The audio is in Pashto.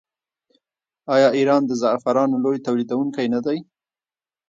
آیا ایران د زعفرانو لوی تولیدونکی نه دی؟